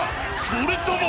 それとも